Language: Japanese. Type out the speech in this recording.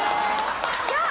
よっ！